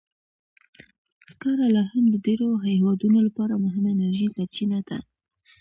سکاره لا هم د ډېرو هېوادونو لپاره مهمه انرژي سرچینه ده.